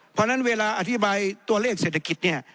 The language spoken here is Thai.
เพราะฉะนั้นเวลาอธิบายตัวเลขเศรษฐกิจเนี่ย